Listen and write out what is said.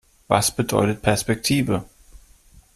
Was bedeutet Perspektive?